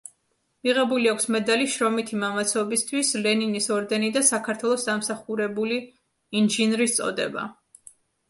მიღებული აქვს მედალი „შრომითი მამაცობისთვის“, ლენინის ორდენი და საქართველოს დამსახურებული ინჟინრის წოდება.